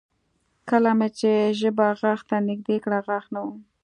کله مې چې ژبه غاښ ته نږدې کړه غاښ نه و